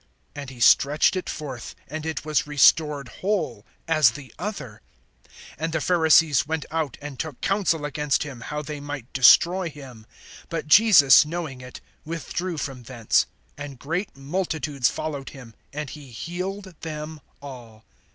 And he stretched it forth; and it was restored whole, as the other. (14)And the Pharisees went out, and took counsel against him, how they might destroy him. (15)But Jesus, knowing it, withdrew from thence; and great multitudes followed him, and he healed them all.